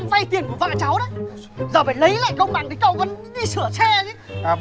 giờ phải lấy lại công bằng để cậu còn đi sửa tre chứ